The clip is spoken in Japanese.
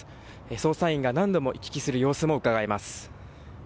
捜査員が何度も行き来する様子もうかがえます。